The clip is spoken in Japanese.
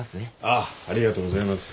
ありがとうございます。